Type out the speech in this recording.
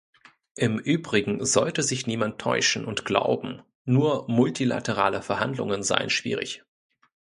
Im Übrigen sollte sich niemand täuschen und glauben, nur multilaterale Verhandlungen seien schwierig.